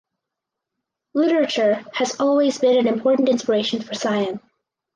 Literature has always been an important inspiration for Sion.